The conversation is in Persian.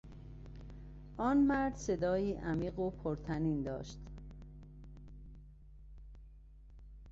آن مرد صدایی عمیق و پرطنین داشت.